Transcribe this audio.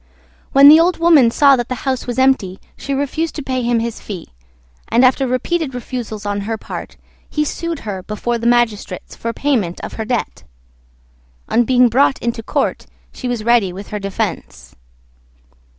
When the Old Woman saw that the house was empty she refused to pay him his fee; and, after repeated refusals on her part, he sued her before the magistrates for payment of her debt. On being brought into court she was ready with her defence.